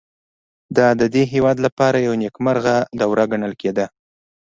دا د دې هېواد لپاره یوه نېکمرغه دوره ګڼل کېده